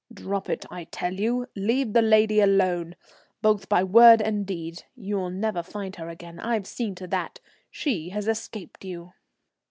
"Drop it, I tell you. Leave the lady alone, both by word and deed. You'll never find her again, I've seen to that. She has escaped you."